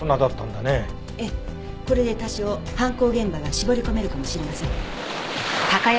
これで多少犯行現場が絞り込めるかもしれません。